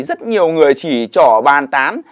rất nhiều người chỉ trỏ bàn tán